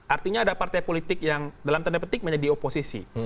artinya ada partai politik yang dalam tanda petik menjadi oposisi